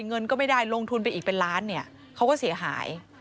เงินก็ไม่ได้ลงทุนไปอีกเป็นล้านเนี่ยเขาก็เสียหาย